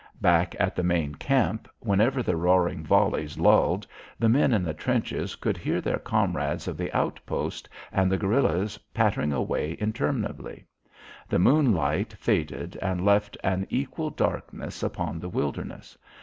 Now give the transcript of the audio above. Back at the main camp, whenever the roaring volleys lulled, the men in the trenches could hear their comrades of the outpost, and the guerillas pattering away interminably. The moonlight faded and left an equal darkness upon the wilderness.